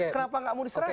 kenapa gak mau diserahkan